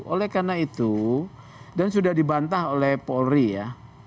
oleh karena itu dan sudah dibantah oleh polri ya